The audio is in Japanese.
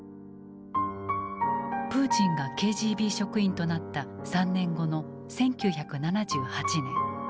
プーチンがＫＧＢ職員となった３年後の１９７８年